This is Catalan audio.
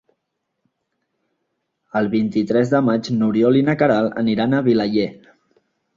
El vint-i-tres de maig n'Oriol i na Queralt aniran a Vilaller.